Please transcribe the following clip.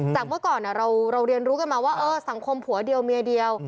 เมื่อก่อนเราเรียนรู้กันมาว่าสังคมผัวเดียวเมียเดียว